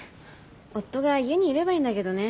夫が家にいればいいんだけどね。